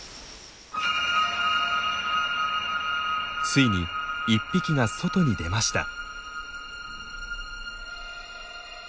ついに１匹が外に出ました。